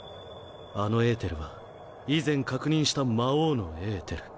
あのエーテルは以前確認した魔王のエーテル。